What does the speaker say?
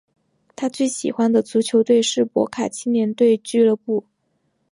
他最喜欢的足球队是博卡青年队俱乐部。